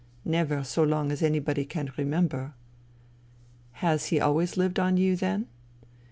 Never so long as anybody can remember." " Has he always lived on you, then